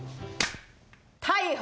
逮捕！